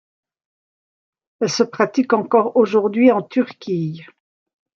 Elle se pratique encore aujourd'hui en Turquie.